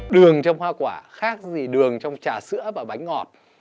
đường trong hoa quả khác gì đường trong trà sữa và bánh ngọt